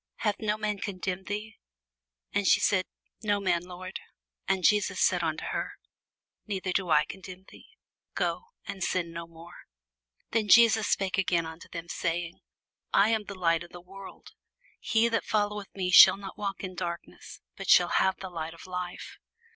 hath no man condemned thee? She said, No man, Lord. And Jesus said unto her, Neither do I condemn thee: go, and sin no more. [Sidenote: St. John 8] Then spake Jesus again unto them, saying, I am the light of the world: he that followeth me shall not walk in darkness, but shall have the light of life.